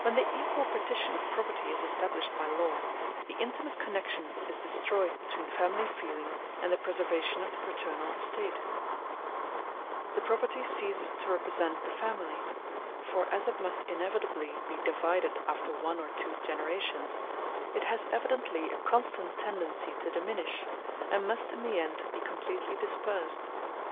When the equal partition of property is established by law, the intimate connection is destroyed between family feeling and the preservation of the paternal estate; the property ceases to represent the family; for as it must inevitably be divided after one or two generations, it has evidently a constant tendency to diminish, and must in the end be completely dispersed.